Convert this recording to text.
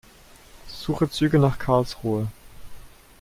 Suche Züge nach Karlsruhe.